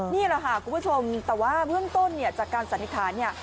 นี่แหละค่ะคุณผู้ชมแต่ว่าเบื้องต้นเนี่ยจากการสันนิษฐานเนี่ย